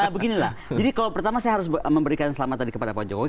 beginilah jadi kalau pertama saya harus memberikan selamat tadi kepada pak jokowi